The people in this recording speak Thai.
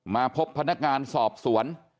มาพบพนักงานสอบสวน